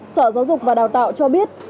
sở giáo dục và đào tạo cho biết